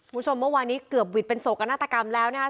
เมื่อวานี้เกือบหวิดเป็นโศกนาฏกรรมแล้วนะครับ